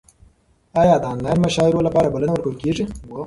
ایا د انلاین مشاعرو لپاره بلنه ورکول کیږي؟